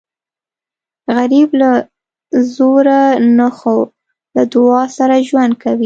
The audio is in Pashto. غریب له زوره نه خو له دعا سره ژوند کوي